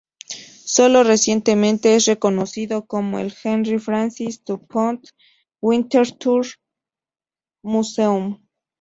Solo recientemente es reconocido como el "Henry Francis DuPont Winterthur Museum".